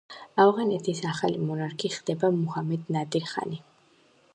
ავღანეთის ახალი მონარქი ხდება მუჰამედ ნადირ ხანი.